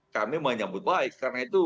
kami menyambut baik karena itu